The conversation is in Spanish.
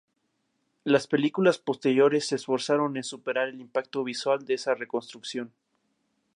Las películas posteriores se esforzaron en superar el impacto visual de esa reconstrucción.